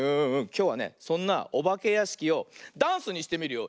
きょうはねそんなおばけやしきをダンスにしてみるよ。